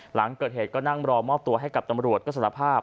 หลังเกิดเหตุก็นั่งรอมอบตัวให้กับตำรวจก็สารภาพ